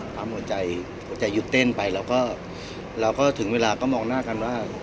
หัวใจหยุดเต้นไปแล้วก็ถึงเวลาก็มองหน้ากันว่า